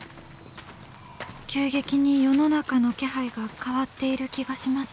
急激に世の中の気配が変わっている気がします。